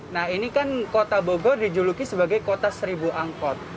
nah ini kan kota bogor dijuluki sebagai kota seribu angkot